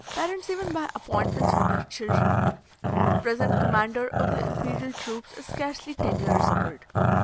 Parents even buy appointments for their children. The present commander of the imperial troops is scarcely ten years old.